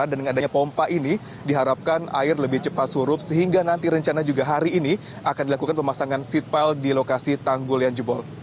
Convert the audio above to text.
dan dengan adanya pompa ini diharapkan air lebih cepat suruh sehingga nanti rencana juga hari ini akan dilakukan pemasangan seat pile di lokasi tanggul yang jebol